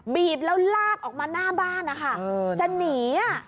บีบแล้วลากออกมาหน้าบ้านนะคะจะหนี